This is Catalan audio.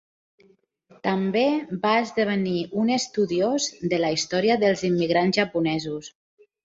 També va esdevenir un estudiós de la història dels immigrants japonesos.